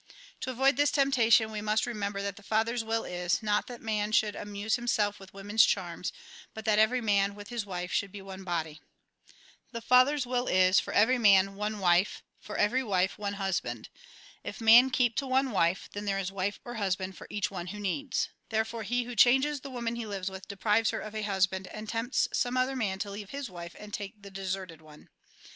To avoid this temptation, v^e must remember that the Father's wUl is, not that man should amuse himself with woman's charms, but that everj' man, with his wife, should be one body. The Father's will is, for every man, one wife ; for every wife, one husband. If one man keep to one wife, then there is wife or husband for each one who needs. Therefore he who changes the woman he lives with, deprives her of a husband, and tempts some other man to leave his wife and take the deserted one.